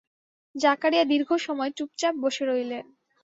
জাকারিয়া দীর্ঘ সময় চুপচাপ বসে রইলেন।